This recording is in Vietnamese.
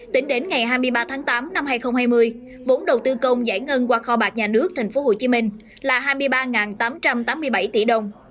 tính đến ngày hai mươi ba tháng tám năm hai nghìn hai mươi vốn đầu tư công giải ngân qua kho bạc nhà nước tp hcm là hai mươi ba tám trăm tám mươi bảy tỷ đồng